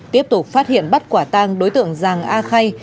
tiếp tục phát hiện bắt quả tang đối tượng giàng a khay